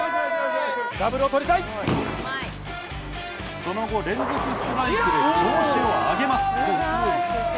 その後、連続ストライクで調子を上げます。